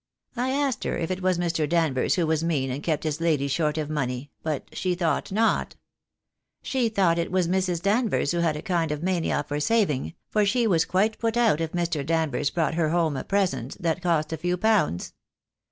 I asked her if it was Mr. Danvers who was mean and kept his lady short of money; but she thought not. She thought it was Mrs. Danvers that had a kind of mania for saving, for she was quite put out if Air. Danvers brought her home a present that cost a few pounds.